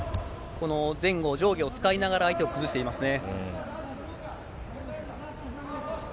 この前後、上下を使いながら、相手を崩していますね。